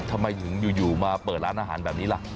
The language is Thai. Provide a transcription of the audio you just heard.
ทำไมถึงอยู่มาเปิดร้านอาหารแบบนี้ล่ะ